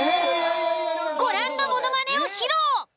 ご覧のものまねを披露。